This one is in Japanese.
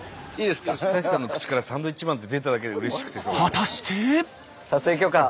果たして。